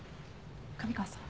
神川さん。